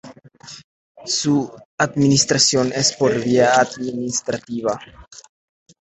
Su administración es por vía administrada intravenosa.